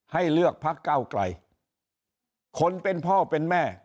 ให้เลือกพักเก้าไกลคนเป็นพ่อเป็นแม่